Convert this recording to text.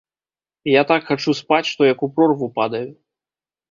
Я так хачу спаць, што як у прорву падаю.